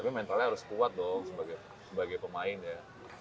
tapi mentalnya harus kuat dong sebagai pemain ya